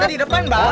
kita di depan bang